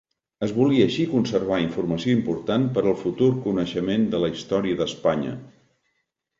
Es volia així conservar informació important per al futur coneixement de la història d'Espanya.